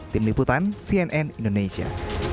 tim liputan cnn indonesia